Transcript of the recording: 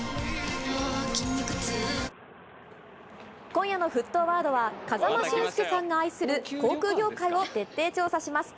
今夜の沸騰ワードは、風間俊介さんが愛する航空業界を徹底調査します。